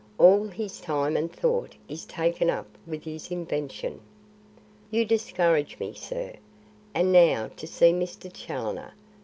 All his time and thought is taken up with his invention." "You discourage me, sir. And now to see Mr. Challoner.